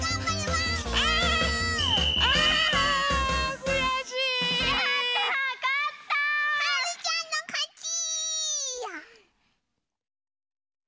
はるちゃんのかち！